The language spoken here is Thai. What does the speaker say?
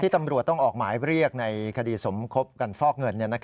ตำรวจต้องออกหมายเรียกในคดีสมคบกันฟอกเงิน